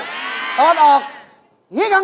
จับข้าว